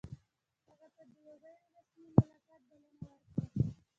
هغه ته د یوه غیر رسمي ملاقات بلنه ورکړه.